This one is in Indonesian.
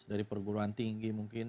dari perguruan tinggi mungkin